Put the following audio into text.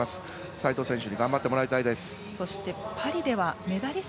齋藤選手に頑張ってもらいたいです。